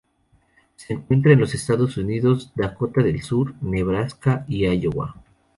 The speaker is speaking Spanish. Se encuentra en los Estados Unidos: Dakota del Sur, Nebraska y Iowa.